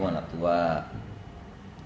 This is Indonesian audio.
saya kan anak tua kamu anak tua